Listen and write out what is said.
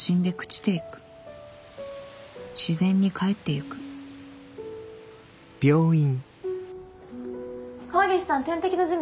自然にかえっていく川岸さん点滴の準備